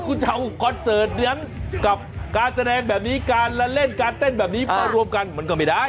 คุณจะเอาคอนเสิร์ตนั้นกับการแสดงแบบนี้การละเล่นการเต้นแบบนี้มารวมกันมันก็ไม่ได้